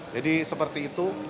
jadi seperti itu